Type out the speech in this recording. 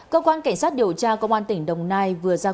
cơ quan cảnh sát điều tra công an tỉnh đồng nai vừa giải quyết